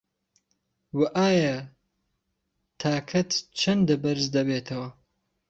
وه ئایا تاکەت چەندە بەرز دەبێتەوه